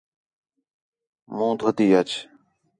مُون٘ھ دُھوتی آچ